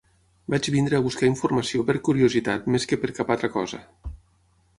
Vaig venir a buscar informació per curiositat més que per cap altra cosa.